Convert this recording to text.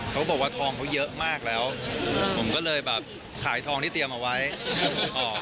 เขาบอกว่าทองเขาเยอะมากแล้วผมก็เลยแบบขายทองที่เตรียมเอาไว้ออก